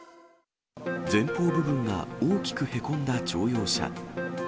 前方部分が大きくへこんだ乗用車。